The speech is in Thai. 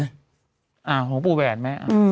อ่าของปู่แหวนแม่